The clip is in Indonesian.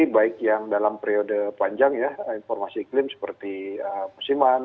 baik yang dalam periode panjang ya informasi iklim seperti musiman